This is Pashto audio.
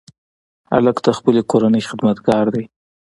هلک د خپلې کورنۍ خدمتګار دی.